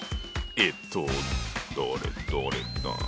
えっとどれどれ。